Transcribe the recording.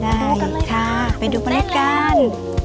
ดูกันเลยค่ะไปดูเมล็ดกัน